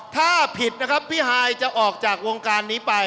ถ้าผิดนะครับพี่ฮายจะออกจากวงการนี้ไป